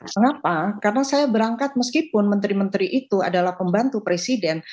kenapa karena saya berangkat meskipun menteri menteri itu adalah pembantu presiden